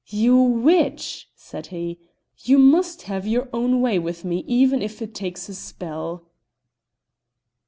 "You witch!" said he, "you must have your own way with me, even if it takes a spell!"